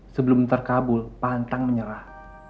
sebelum terkabul pantang menyerah